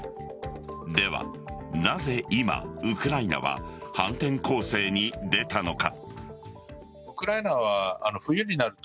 では、なぜ今ウクライナは反転攻勢に出たのか。